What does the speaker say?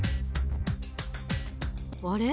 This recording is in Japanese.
あれ？